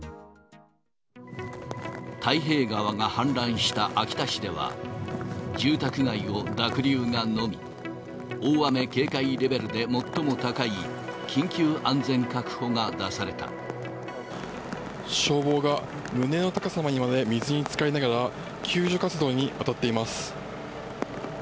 太平川が氾濫した秋田市では、住宅街を濁流が飲み、大雨警戒レベルで最も高い、緊急安全確保が消防が、胸の高さにまで水につかりながら、救助活動に当たっています。